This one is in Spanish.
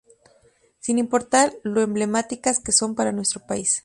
Sin importar lo emblemáticas que son para nuestro país.